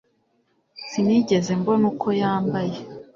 Sinigeze mbona uko yambaye